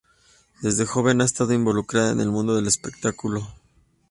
Desde joven ha estado involucrada en el mundo del espectáculo.